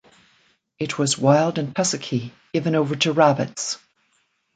It was wild and tussocky, given over to rabbits.